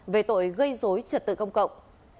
về tội gây dối trượt tự công cộng